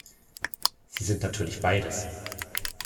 Sie sind natürlich beides.